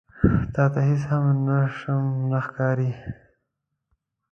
_تاته هېڅ هم سم نه ښکاري.